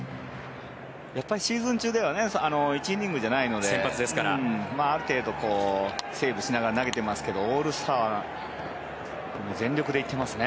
やっぱりシーズン中では１イニングじゃないのである程度、セーブしながら投げていますけどオールスターは全力で行ってますね。